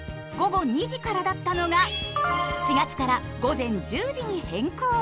午後２時からだったのが４月から午前１０時に変更。